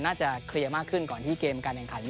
น่าจะเคลียร์มากขึ้นก่อนที่เกมการแข่งขัน